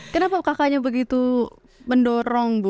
kenapa kakaknya begitu mendorong bu